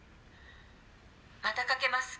「またかけます。